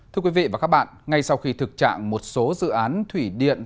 thưa quý vị và các bạn ngay sau khi thực trạng một số dự án thủy điện